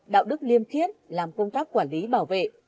đạo đức liêm khiết làm công tác quản lý bảo vệ